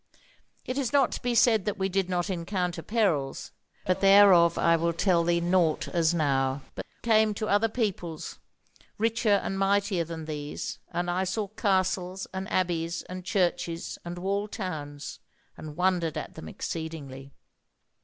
"It is not to be said that we did not encounter perils; but thereof I will tell thee naught as now. We came to other peoples, richer and mightier than these, and I saw castles, and abbies, and churches, and walled towns, and wondered at them exceedingly.